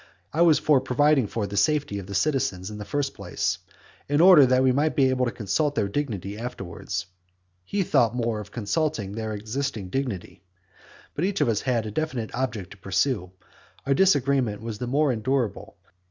I was for providing for the safety of the citizens in the first place, in order that we might be able to consult their dignity afterwards. He thought more of consulting their existing dignity. But because each of us had a definite object to pursue, our disagreement was the more endurable.